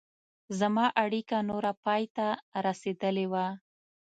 زما اړیکه نوره پای ته رسېدلې وه.